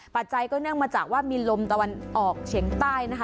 ปัจจัยก็เนื่องมาจากว่ามีลมตะวันออกเฉียงใต้นะคะ